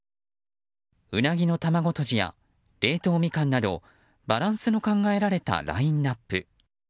ウナギの卵とじや冷凍ミカンなどバランスの考えられたラインアップ。